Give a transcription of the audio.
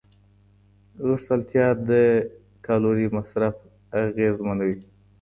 غښتلتیا د کالوري مصرف اغېزمنوي.